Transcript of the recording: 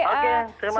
oke terima kasih